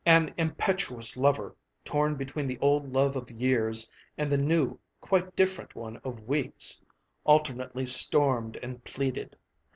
An impetuous lover, torn between the old love of years and the new, quite different one of weeks, alternately stormed and pleaded.